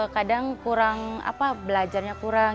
kadang kurang belajarnya kurang